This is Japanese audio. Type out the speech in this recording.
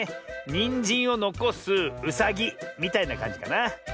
「にんじんをのこすうさぎ」みたいなかんじかな。